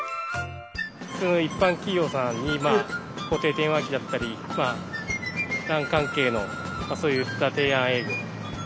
普通の一般企業さんに固定電話機だったりＬＡＮ関係のそういった提案営業を。